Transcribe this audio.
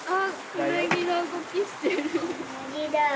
うなぎだ。